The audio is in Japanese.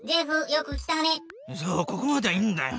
そうここまではいいんだよ。